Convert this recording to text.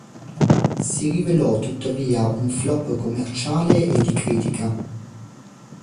Si rivelò tuttavia un flop commerciale e di critica.